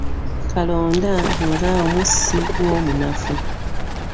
Kalonda nga omusi gwo munafu.